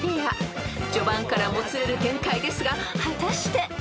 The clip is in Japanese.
［序盤からもつれる展開ですが果たして？］